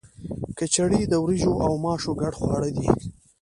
کچړي د وریجو او ماشو ګډ خواړه دي.